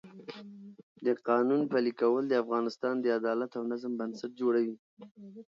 د قانون پلي کول د افغانستان د عدالت او نظم بنسټ جوړوي